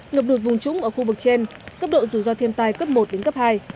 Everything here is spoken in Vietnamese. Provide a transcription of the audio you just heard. ngập đột vùng trúng ở khu vực trên cấp độ dù do thiên tài cấp một đến cấp hai